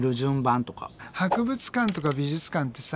博物館とか美術館ってさ